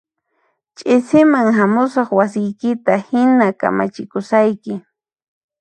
Ch'isiman hamusaq wasiykita hina kamachikusayki